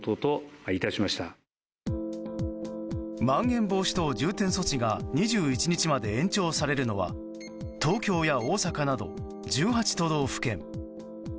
まん延防止等重点措置が２１日まで延長されるのは東京や大阪など１８都道府県。